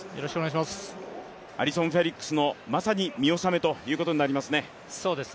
アリソン・フェリックスのまさに見納めということになりますね。